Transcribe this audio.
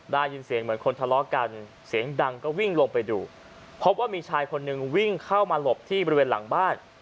ได้ยินเสียงเหมือนคนทะเลาะกันเสียงดังก็วิ่งลงไปดูพบว่ามีชายคนหนึ่งวิ่งเข้ามาหลบที่บริเวณหลังบ้าน